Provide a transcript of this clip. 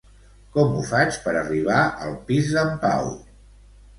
Com ho faig per arribar al pis d'en Pau?